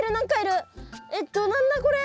えっと何だこれ？